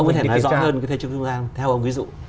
ông có thể nói rõ hơn cái thiết chế trung gian theo ông ví dụ